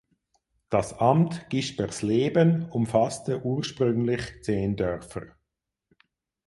Das Amt Gispersleben umfasste ursprünglich zehn Dörfer.